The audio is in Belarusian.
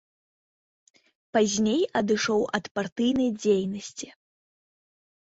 Пазней адышоў ад партыйнай дзейнасці.